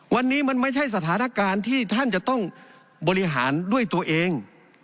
วันนี้มันไม่ใช่สถานการณ์ที่ท่านจะต้องบริหารด้วยตัวเอง